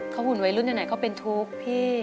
เขาหุ่นวัยรุ่นอย่างไรเขาเป็นทุบพี่